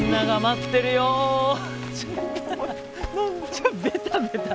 ちょベタベタ